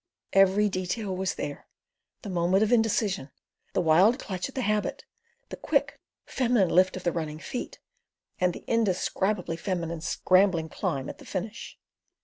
Every detail was there: the moment of indecision, the wild clutch at the habit, the quick, feminine lift of the running feet, and the indescribably feminine scrambling climb at the finish.